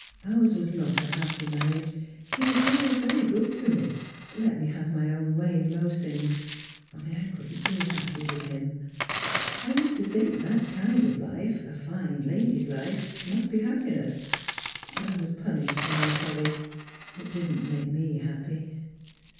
Ours was not a happy marriage. He was always very good to me — let me have my own way in most things — only I couldn't be happy with him. I used to think that kind of life — a fine lady's life — must be happiness, but I was punished for my folly. It didn't make me happy."